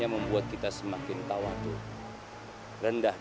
jangan pikir saya tidak tahu akal akalan sampaian